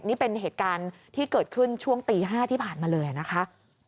นี่เป็นเหตุการณ์ที่เกิดขึ้นช่วงตี๕ที่ผ่านมาเลยนะคะ